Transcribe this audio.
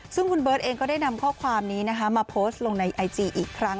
ซึ่งคุณเบิร์ตเองก็ได้นำข้อความนี้นะคะมาโพสต์ลงในไอจีอีกครั้ง